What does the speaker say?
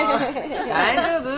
大丈夫？